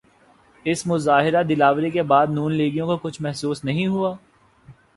اس مظاہرہ دلاوری کے بعد نون لیگیوں کو کچھ محسوس نہیں ہوا؟